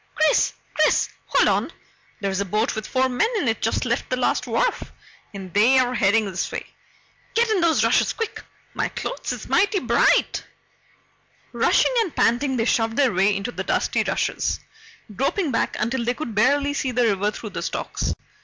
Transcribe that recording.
"Chris! Chris hold on! There's a boat with four men in it just left the last wharf, and they're headin' this way! Get in those rushes quick my clothes is mighty bright!" Rushing and panting, they shoved their way into the dusty rushes, groping back until they could barely see the river through the stalks.